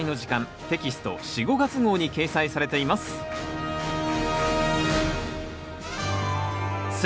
テキスト４・５月号に掲載されています選